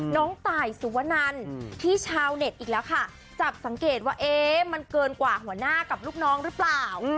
น้องตายสุวนันที่ชาวเน็ตอีกแล้วค่ะจับสังเกตว่ามันเกินกว่าหัวหน้ากับลูกน้องหรือเปล่า